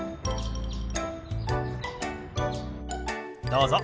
どうぞ。